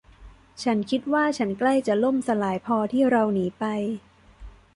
ฉันคิดว่าฉันใกล้จะล่มสลายพอที่เราหนีไป